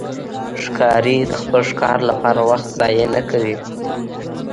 ښکاري د خپل ښکار لپاره وخت ضایع نه کوي.